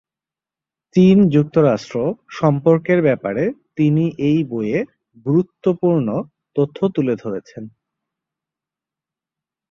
চীন-যুক্তরাষ্ট্র সম্পর্কের ব্যাপারে তিনি এই বইয়ে গুরুত্ব পূর্ন তথ্য তুলে ধরেছেন।